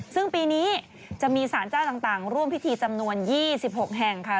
ซึ่งปีนี้จะมีสารเจ้าต่างร่วมพิธีจำนวน๒๖แห่งค่ะ